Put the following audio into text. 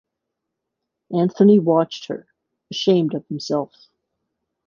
Anthony watched her — ashamed of himself.